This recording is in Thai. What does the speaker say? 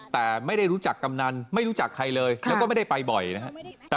แต่ไม่ได้รู้จักกำนันไม่รู้จักใครเลยแล้วก็ไม่ได้ไปบ่อยนะครับ